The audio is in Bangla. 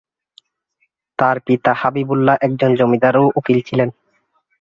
তার পিতা হাবিবুল্লাহ একজন জমিদার ও উকিল ছিলেন।